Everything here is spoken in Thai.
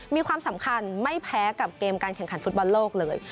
มีความสำคัญไม่แพ้กับเกมการแข่งขันฟุตบอลโลกเลย